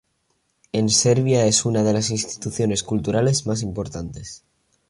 En Serbia es una de las instituciones culturales más importantes.